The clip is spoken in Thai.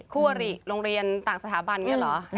คู่อริโรงเรียนต่างสถาบันอย่างนี้เหรอ